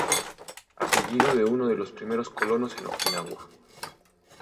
Apellido de uno de los primeros colonos en Okinawa沖縄.